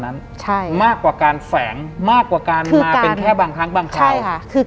หลังจากนั้นเราไม่ได้คุยกันนะคะเดินเข้าบ้านอืม